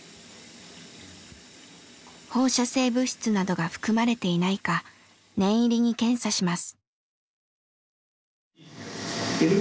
放射性物質などが含まれていないか念入りに検査します。